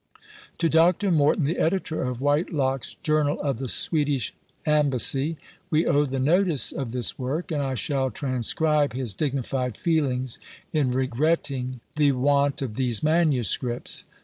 To Dr. Morton, the editor of Whitelocke's "Journal of the Swedish Ambassy," we owe the notice of this work; and I shall transcribe his dignified feelings in regretting the want of these MSS.